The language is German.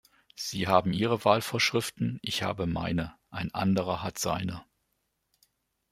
Sie haben Ihre Wahlvorschriften, ich habe meine, ein anderer hat seine.